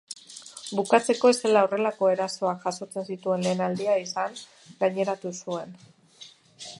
Bukatzeko, ez zela horrelako erasoak jasotzen zituen lehen aldia izan gaineratu zuen.